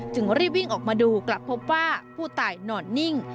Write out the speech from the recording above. รีบวิ่งออกมาดูกลับพบว่าผู้ตายนอนนิ่ง